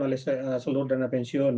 oleh seluruh dana pensiun